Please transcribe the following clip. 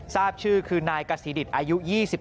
ทราบชื่อคือนายกษีดิตอายุ๒๓